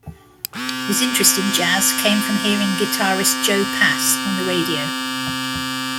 His interest in jazz came from hearing guitarist Joe Pass on the radio.